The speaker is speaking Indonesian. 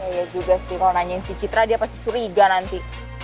iya juga sih kalau nanyain si citra dia pasti curiga nanti